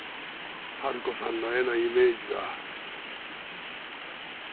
春子さんの絵のイメージは。